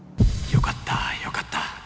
よかったよかった。